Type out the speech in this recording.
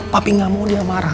tapi gak mau dia marah